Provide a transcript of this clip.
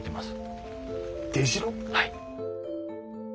はい。